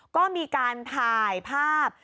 ก็มีการถ่ายภาพ